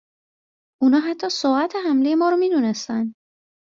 اونا حتی ساعت حملهی ما رو میدونستن